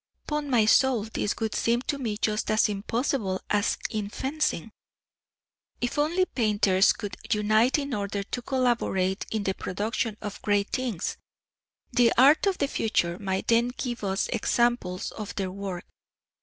'Pon my soul, this would seem to me just as impossible as in fencing.{Q} If only painters could unite in order to collaborate in the production of great things! The art of the future might then give us examples of their work.